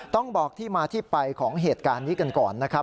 ต้องบอกที่มาที่ไปของเหตุการณ์นี้กันก่อนนะครับ